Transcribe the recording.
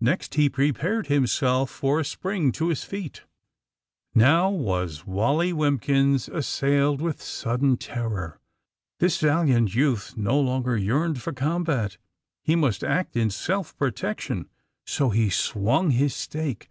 Next he prepared himself for a spring to his feet. AND THE SMUGGLERS 185 Now was Wally Wimpins assailed with sud den terror. This valiant youth no longer yearned for combat. He must act in self protection, so he swung his stake..